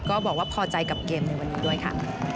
ก็บอกว่าพอใจกับเกมในวันนี้ด้วยค่ะ